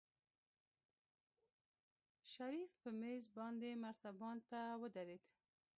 شريف په مېز باندې مرتبان ته ودرېد.